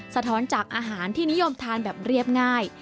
สะท้อนจากอาหารที่นิยมทานแบบเรียบง่าย